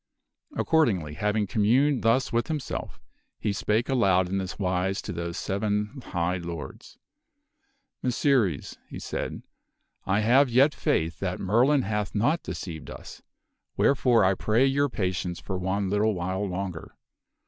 Accordingly, having communed thus within himself, he spake aloud in this wise to those seven high lords: " Messires," he said, " I have yet faith that Merlin hath not deceived us, wherefore I pray your patience for one little while longer.